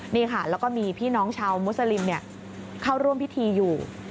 นี่ค่ะแล้วก็มีพี่น้องชาวมุสลิมเข้าร่วมพิธีอยู่